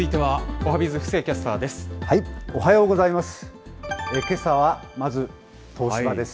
おはようございます。